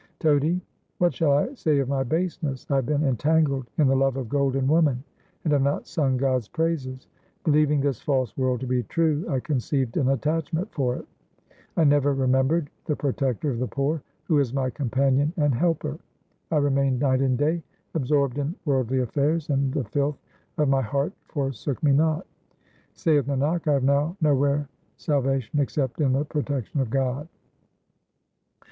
Todi What shall I say of my baseness ? I have been entangled in the love of gold and woman, and have not sung God's praises. Believing this false world to be true I conceived an attach ment for it ; I never remembered the Protector of the poor, who is my companion and helper ; I remained night and day absorbed in worldly affairs, and the filth of my heart forsook me not. Saith Nanak, I have now nowhere salvation except in the protection of God.